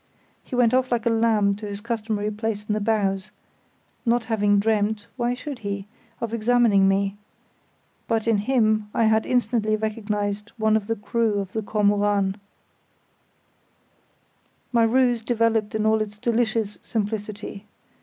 He went off like a lamb to his customary place in the bows, not having dreamt—why should he?—of examining me, but in him I had instantly recognised one of the crew of the Kormoran. My ruse developed in all its delicious simplicity.